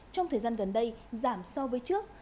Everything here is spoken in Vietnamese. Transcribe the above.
trong thời gian gần đây giảm so với trước